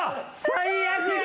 最悪や！